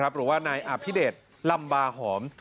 หรือว่านายอภิเดชลำบาหอม